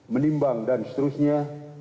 menimbang dan seterusnya